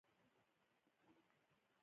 د ماشوم د ځیرکتیا لپاره له هغه سره لوبې وکړئ